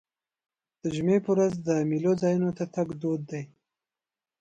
د جمعې په ورځ د میلو ځایونو ته تګ دود دی.